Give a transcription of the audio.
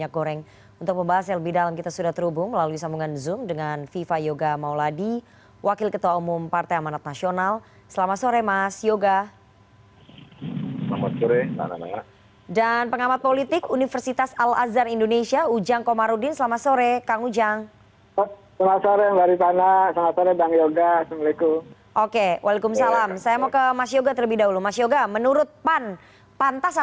yang ketiga minyak itu bukan minyak pemerintah